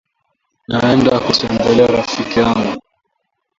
Naenda kutembelea rafiki yangu